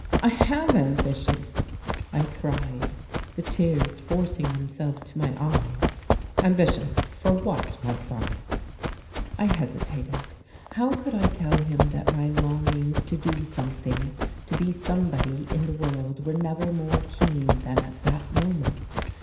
"I have ambition," I cried, the tears forcing themselves to my eyes. "Ambition for what, my son?" I hesitated. How could I tell him that my longings to do something, to be somebody in the world were never more keen than at that moment?